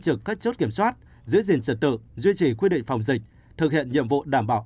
trực các chốt kiểm soát giữ gìn sự tự duy trì quy định phòng dịch thực hiện nhiệm vụ đảm bảo